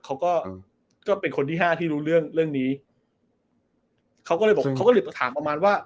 เขาก็ก็เป็นคนที่ห้าที่รู้เรื่องเรื่องนี้เขาก็เลยบอกเขาก็เลยถามประมาณว่า